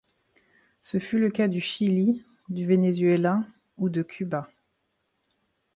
Ce fut le cas du Chili, du Venezuela ou de Cuba.